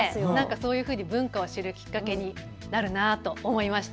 そういうふうに文化を知るきっかけになるなと思いました。